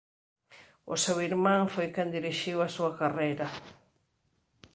O seu irmán foi quen dirixiu a súa carreira.